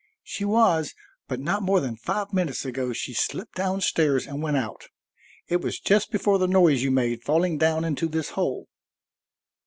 "She was, but not more than five minutes ago she slipped down stairs and went out. It was just before the noise you made falling down into this hole."